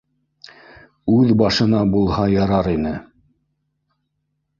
Үҙ башына булһа ярар ине!